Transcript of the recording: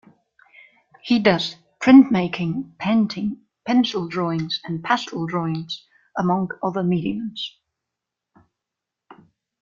He does printmaking, painting, pencil drawings, and pastel drawings, among other mediums.